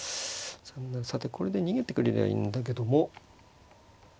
さてこれで逃げてくれりゃいいんだけども。